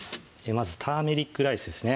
まずターメリックライスですね